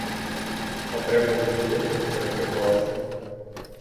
А треба ж і до дочок щось прикласти!